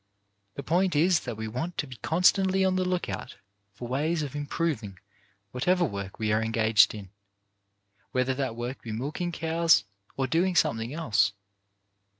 The point is, that we want to be constantly on the lookout for ways of improving whatever work we are engaged in, whether that work be milking cows or doing something else.